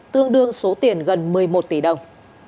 tương đương số tiền gần một mươi một tỷ đồng